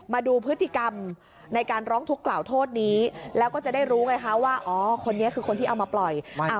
มาดูพฤติกรรมในการร้องทุกข์กล่าวโทษนี้แล้วก็จะได้รู้ไงคะว่าอ๋อคนนี้คือคนที่เอามาปล่อย